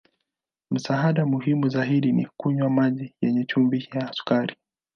Msaada muhimu zaidi ni kunywa maji yenye chumvi na sukari.